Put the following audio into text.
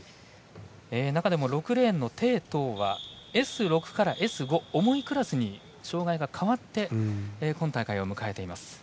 中でも６レーンの鄭濤はＳ６からＳ５と重いクラスに障がいが変わって今大会を迎えています。